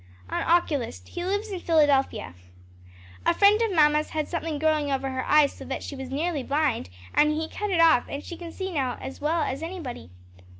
"An oculist: he lives in Philadelphia. A friend of mamma's had something growing over her eyes so that she was nearly blind, and he cut it off and she can see now as well as anybody."